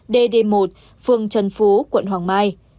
d d một phường trần phú quận hoàng mai